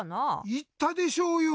いったでしょうよ！